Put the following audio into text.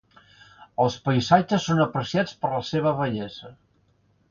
Els paisatges són apreciats per la seva bellesa.